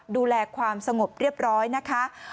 ดูแลความสงบเรียบร้อยนะคะ